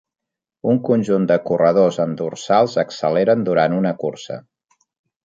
Un conjunt de corredors amb dorsals acceleren durant una cursa.